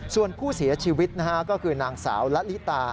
ส่วนผู้เสียชีวิตนะฮะก็คือนางสาวละลิตา